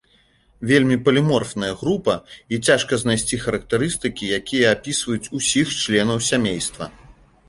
Вельмі паліморфная група, і цяжка знайсці характарыстыкі, якія апісваюць ўсіх членаў сямейства.